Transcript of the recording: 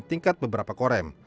dan tingkat beberapa korem